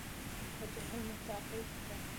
که جاهل مو تعقیب کړ.